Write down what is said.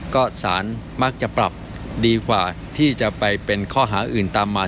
ก็สารมักจะปรับดีกว่าที่จะไปเป็นข้อหาอื่นตามมา